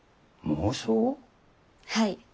はい。